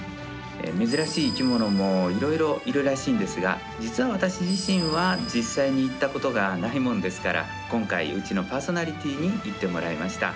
珍しい生き物もいろいろいるらしいんですが実は私、一度も行ったことがないものですから今回、うちのパーソナリティーに行ってもらいました。